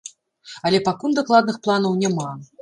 Але пакуль дакладных планаў няма.